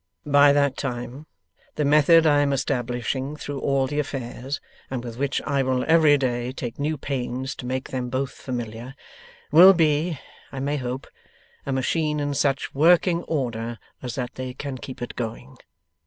By that time, the method I am establishing through all the affairs, and with which I will every day take new pains to make them both familiar, will be, I may hope, a machine in such working order as that they can keep it going.